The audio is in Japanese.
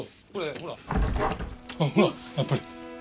ほらやっぱり。